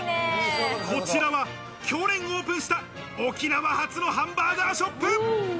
こちらは去年オープンした沖縄発のハンバーガーショップ。